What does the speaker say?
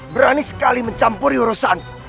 berani sekali mencampuri urusan